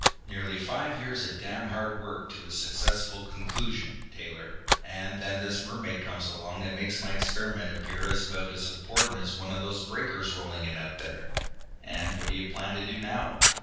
Nearly five years of damned hard work to a successful conclusion, Taylor, and then this mermaid comes along and makes my experiment appear about as important as one of those breakers rolling in out there!" "And what do you plan to do now?"